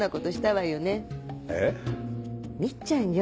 みっちゃんよ。